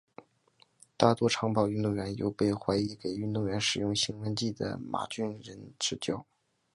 大多长跑运动员由被怀疑给运动员使用兴奋剂的马俊仁执教。